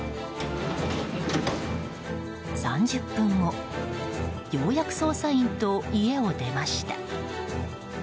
３０分後、ようやく捜査員と家を出ました。